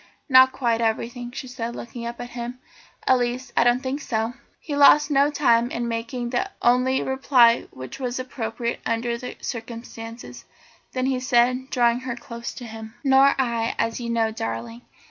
"Not quite everything," she said, looking up at him "at least I don't think so." He lost no time in making the only reply which was appropriate under the circumstances; and then he said, drawing her close to him: "Nor I, as you know, darling.